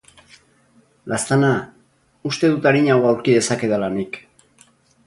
Laztana, uste dut arinago aurki dezakedala nik.